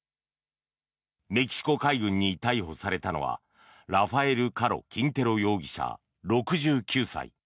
メキシコ海軍に逮捕されたのはラファエル・カロ・キンテロ容疑者、６９歳。